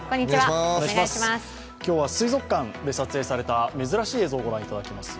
今日は水族館で撮影された珍しい映像をご覧いただきます。